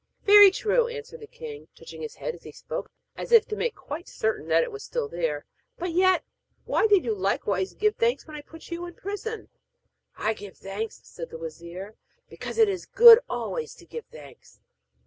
'Very true,' answered the king, touching his head as he spoke, as if to make quite certain that it was still there, 'but yet why did you likewise give thanks when I put you into prison?' 'I gave thanks,' said the wazir, 'because it is good always to give thanks.